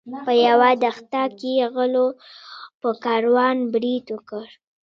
په یوه دښته کې غلو په کاروان برید وکړ.